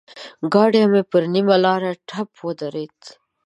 ګاډی مې پر نيمه لاره ټپ ودرېد.